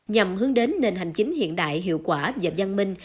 nhằm hướng đến nền hành chính hiện đại hiệu quả và giang minh